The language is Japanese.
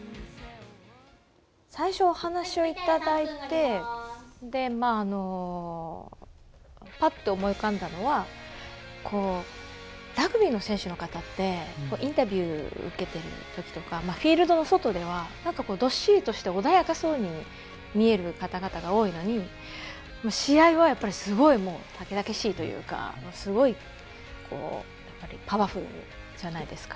最初お話をいただいてパッと思い浮かんだのはラグビーの選手の方ってインタビューを受けている時とかフィールドの外ではなんか、どっしりとして穏やかそうに見える方々が多いのに試合は、やっぱりすごい猛々しいというかすごいパワフルじゃないですか。